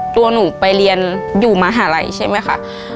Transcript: ตัวหนูไปเรียนอยู่มหาลัยใช่ไหมคะ